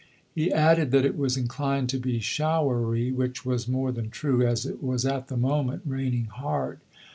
He added that it was inclined to be showery, which was more than true, as it was at the moment raining hard.